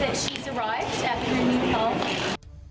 และราฮาฟอยากให้พวกเมนาดียนต์ได้เห็นว่าเธอพบกับความสุขของเธอ